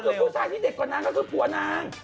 ผู้ชายที่เด็กกว่านางก็คือผัวนาง